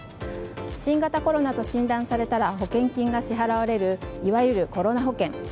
新型コロナと診断されたら保険金が支払われるいわゆるコロナ保険。